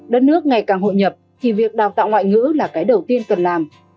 đất nước ngày càng hội nhập thì việc đào tạo ngoại ngữ là cái đầu tiên cần làm